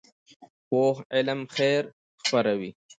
پوخ علم خیر خپروي